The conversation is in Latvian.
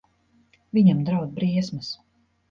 Viņam draud briesmas.